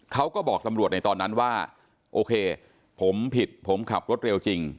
เขาก็บอกตำรวจในตอนนั้นว่าโอเคผมผิดผมขับรถเร็วจริง